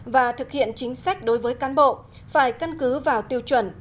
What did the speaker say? và thực hiện chính sách đối với cán bộ phải căn cứ vào tiêu chuẩn